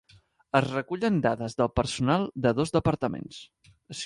Es recullen dades del personal de dos departaments.